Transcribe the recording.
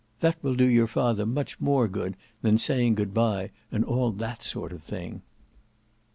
That will do your father much more good than saying good bye and all that sort of thing."